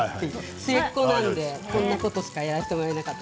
末っ子なのでこんなことしかやらせてもらえなかった。